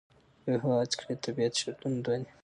په یوه هیواد کښي د تابیعت شرطونه دوه دي.